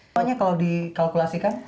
bagaimana kalau dikalkulasikan